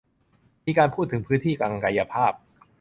มีการพูดถึงพื้นที่ทางกายภาพ